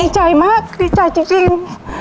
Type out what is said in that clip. ใจมากดีใจจริง